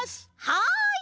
はい！